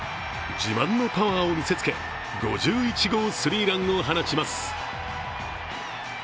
自慢のパワーを見せつけ、５１号スリーランを放ちます。